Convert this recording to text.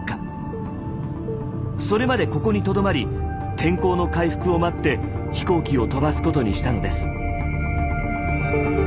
それまでここにとどまり天候の回復を待って飛行機を飛ばすことにしたのです。